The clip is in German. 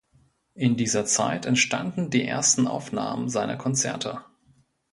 In dieser Zeit entstanden die ersten Aufnahmen seiner Konzerte.